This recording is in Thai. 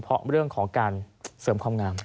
เพราะเรื่องของการเสริมความงาม